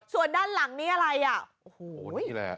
ส่วนด้านหลังนี้อะไรอ่ะโอ้โหนี่แหละ